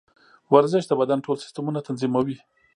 ورزش د بدن ټول سیسټمونه تنظیموي.